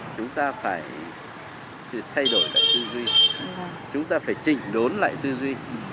chúng ta phải thay đổi lại tư duy chúng ta phải chỉnh đốn lại tư duy